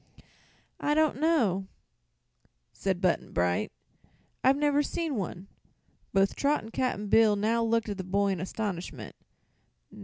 "I don't know," said Button Bright; "I've never seen one." Both Trot and Cap'n Bill now looked at the boy in astonishment.